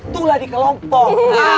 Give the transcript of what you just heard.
tulah di kelompok